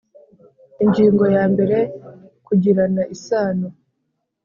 Ingingo ya mbere Kugirana isano